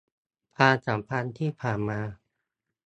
ความสัมพันธ์ที่ผ่านมา